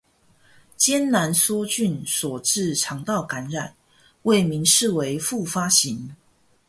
艱難梭菌所致腸道感染，未明示為復發型